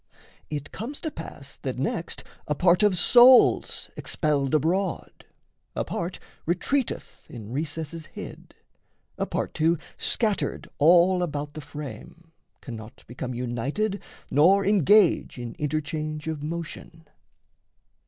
It comes to pass That next a part of soul's expelled abroad, A part retreateth in recesses hid, A part, too, scattered all about the frame, Cannot become united nor engage In interchange of motion.